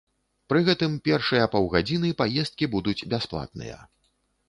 Пры гэтым першыя паўгадзіны паездкі будуць бясплатныя.